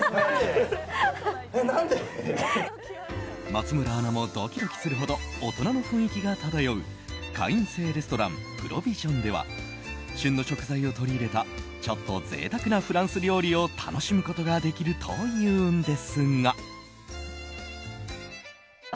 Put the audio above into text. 松村アナもドキドキするほど大人の雰囲気が漂う会員制レストランＰｒｏｖｉｓｉｏｎでは旬の食材を取り入れたちょっと贅沢なフランス料理を楽しむことができるというんですが。